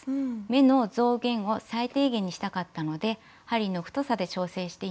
目の増減を最低限にしたかったので針の太さで調整しています。